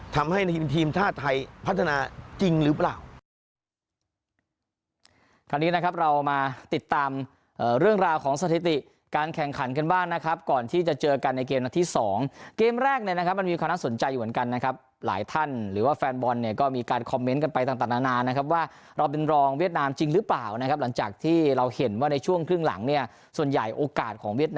ทำให้ทีมชาติไทยพัฒนาจริงหรือเปล่า